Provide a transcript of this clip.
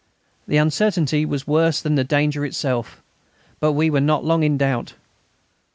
The uncertainty was worse than the danger itself. But we were not long in doubt.